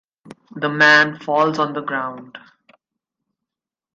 The man falls on the ground.